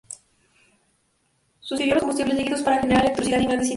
Sustituyó a los combustibles líquidos para generar electricidad y en grandes industrias.